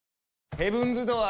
ヘブンズ・ドアー！